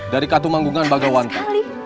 dari katu manggungan bagawangka